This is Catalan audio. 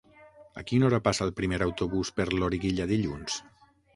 A quina hora passa el primer autobús per Loriguilla dilluns?